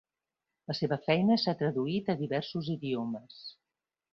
La seva feina s"ha traduït a diversos idiomes.